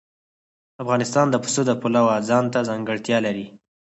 افغانستان د پسه د پلوه ځانته ځانګړتیا لري.